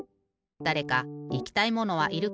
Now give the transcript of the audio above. だれかいきたいものはいるか？